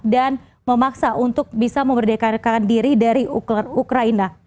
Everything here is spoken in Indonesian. dan memaksa untuk bisa memerdekatkan diri dari ukraina